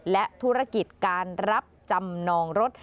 และธุรกิจการรับจำนองรถ